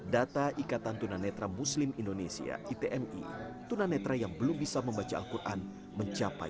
data ikatan tunanetra muslim indonesia itmi tunanetra yang belum bisa membaca alquran mencapai sembilan puluh lima